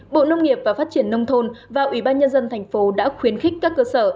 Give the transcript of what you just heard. bộ nông nghiệp và phát triển nông thôn và ủy ban nhân dân thành phố đã khuyến khích các cơ sở